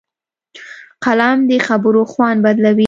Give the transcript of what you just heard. قلم د خبرو خوند بدلوي